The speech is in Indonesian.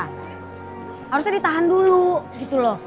harusnya ditahan dulu gitu loh